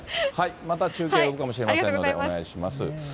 また中継、呼ぶかもしれませんので、お願いします。